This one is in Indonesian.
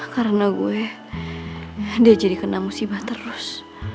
karena gue dia jadi kena musibah terus